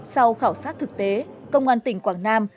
sau khảo sát thực tế công an tỉnh quảng nam